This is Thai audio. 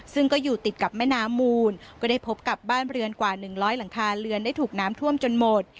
ซึ่งก็อยู่ติดกับแม่น้ำมูลก็ได้พบกับบ้านเรือนกว่า๑๐๐หลังคาเรือนได้ถูกน้ำท่วมจนหมด